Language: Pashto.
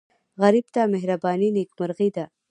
غریب ته مهرباني نیکمرغي ده